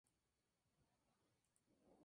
Habita en Costa de Marfil.